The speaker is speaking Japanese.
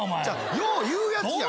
よう言うやつやん